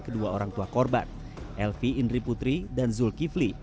kedua orang tua korban elvi indri putri dan zulkifli